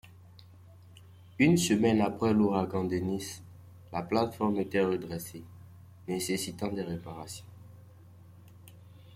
Une semaine après l'ouragan Dennis, la plate-forme était redressée, nécessitant des réparations.